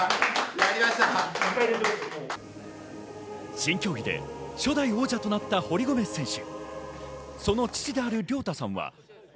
新競技で初代王者となった堀米選手。